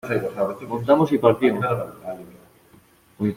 montamos y partimos.